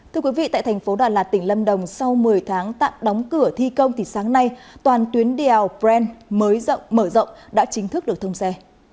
thưa quý vị tại thành phố đà lạt tỉnh lâm đồng sau một mươi tháng tạm đóng cửa thi công thì sáng nay toàn tuyến đèo pren mới mở rộng đã chính thức được thông xe